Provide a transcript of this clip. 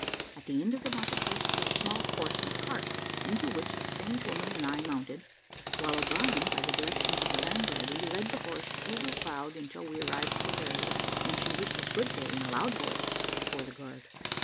At the end of the marketplace stood a small horse and cart, into which the strange woman and I mounted, while O'Brien, by the directions of the landlady, led the horse through the crowd until we arrived at the barriers, when she wished us good day in a loud voice before the guard.